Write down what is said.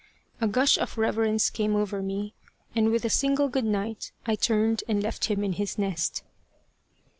A gush of reverence came over me, and with a single goodnight, I turned and left him in his nest.